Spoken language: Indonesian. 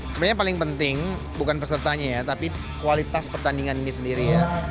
sebenarnya yang paling penting bukan pesertanya ya tapi kualitas pertandingan ini sendiri ya